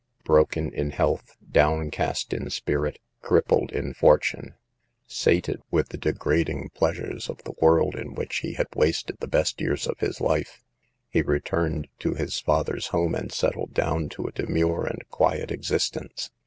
Broken in health, downcast in spirit, crippled in fortune, sated with the degrading pleasures of the world in which he had wasted the best years of his life, he returned to his father's home, and settled down to a demure and quiet existence.